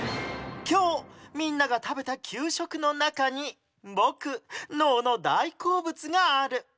きょうみんなが食べた給食の中にボク脳の大好物がある。